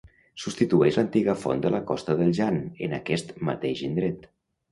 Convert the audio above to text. Substitueix l'antiga font de la Costa del Jan en aquest mateix indret.